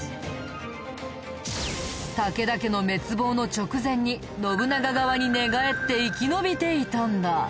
武田家の滅亡の直前に信長側に寝返って生き延びていたんだ。